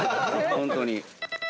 本当に。